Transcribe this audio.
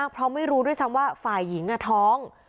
ปกใจไม่รู้ด้วยซ้ำว่าฝ่ายหญิงและท้อง